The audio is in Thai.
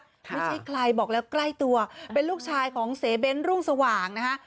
ไม่ใช่ใครบอกแล้วใกล้ตัวเป็นลูกชายของเสเบ้นรุ่งสว่างนะฮะ